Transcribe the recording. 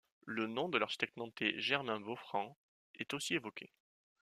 Le nom de l'architecte nantais Germain Boffrand est aussi évoqué.